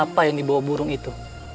adalah yang kita tunggu